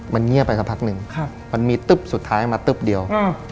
มันเงียบไปสักพักหนึ่งมันมีตึ๊บสุดท้ายมาตึ๊บเดียว